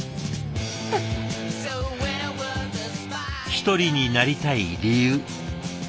一人になりたい理由。